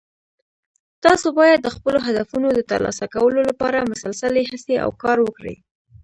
تاسو باید د خپلو هدفونو د ترلاسه کولو لپاره مسلسلي هڅې او کار وکړئ